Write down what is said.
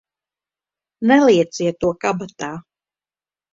Nelieciet to kabatā!